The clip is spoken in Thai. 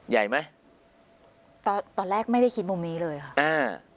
ใหญ่ไหมตอนตอนแรกไม่ได้คิดมุมนี้เลยค่ะอ่า